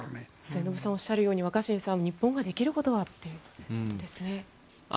末延さんがおっしゃるように、若新さん日本ができることはということですよね。